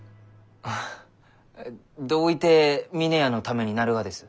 あどういて峰屋のためになるがです？